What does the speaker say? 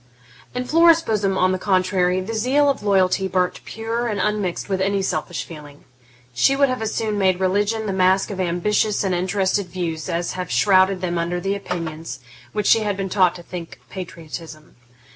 In Flora's bosom, on the contrary, the zeal of loyalty burnt pure and unmixed with any selfish feeling; she would have as soon made religion the mask of ambitious and interested views as have shrouded them under the opinions which she had been taught to think patriotism.